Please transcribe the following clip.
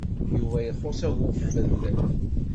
Yuba ixuṣṣ agguffed.